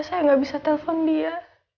saya nggak bisa telepon dia